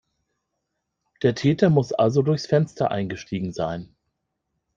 Der Täter muss also durchs Fenster eingestiegen sein.